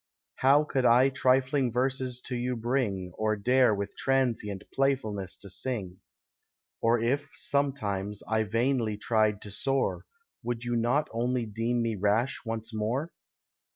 How could I trifling verses to you bring, Or dare with transient playfulness to sing? For if, sometimes, I vainly tried to soar, Would you not only deem me rash once more?